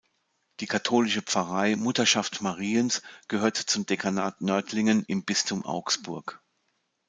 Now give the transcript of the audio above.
Die katholische Pfarrei Mutterschaft Mariens gehört zum Dekanat Nördlingen im Bistum Augsburg.